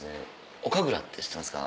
お神楽って知ってますか？